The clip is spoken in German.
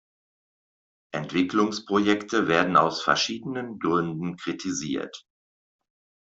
Entwicklungsprojekte werden aus verschiedenen Gründen kritisiert.